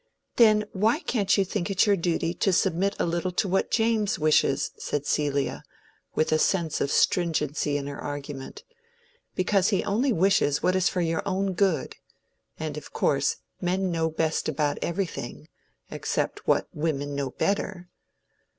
"Then why can't you think it your duty to submit a little to what James wishes?" said Celia, with a sense of stringency in her argument. "Because he only wishes what is for your own good. And, of course, men know best about everything, except what women know better."